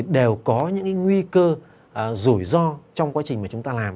đều có những cái nguy cơ rủi ro trong quá trình mà chúng ta làm